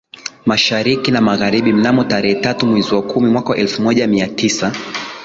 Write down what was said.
Mashariki na Magharibi mnamo tarehe tatu mwezi wa kumi mwaka elfu moja mia tisa